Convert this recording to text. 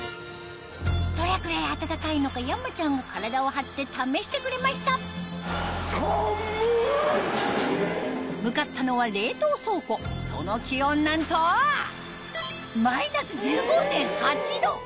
どれくらい暖かいのか山ちゃんが体を張って試してくれました向かったのはその気温なんとマイナス１５．８℃